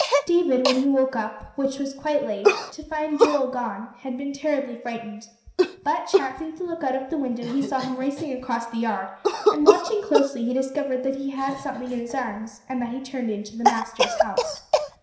David, when he woke up, which was quite late, to find Joel gone, had been terribly frightened. But chancing to look out of the window, he saw him racing across the yard, and watching closely, he discovered that he had something in his arms, and that he turned in to the master's house.